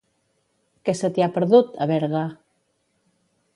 Què se t'hi ha perdut, a Berga?